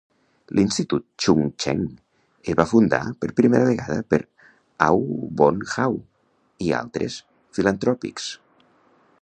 L'institut Chung Cheng es va fundar per primera vegada per Aw Boon Haw i altres filantròpics.